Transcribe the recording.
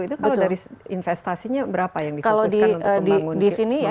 itu kalau dari investasinya berapa yang difokuskan untuk membangun kilang yang baru